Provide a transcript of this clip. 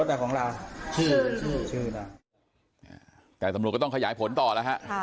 แต่รถอ่ะของเรากลายสำหรับการระบบก็ต้องขยายผลต่อล่ะครับพ่อ